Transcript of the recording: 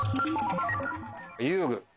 遊具。